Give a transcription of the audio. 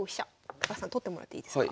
高橋さん取ってもらっていいですか？